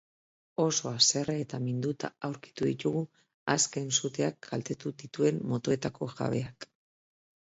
Oso haserre eta minduta aurkitu ditugu azken suteak kaltetu dituen motoetako jabeak.